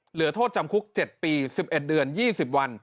เหลือโทษจำคุก๗ปี๑๑เดือน๒๐วัน